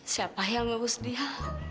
siapa yang harus dia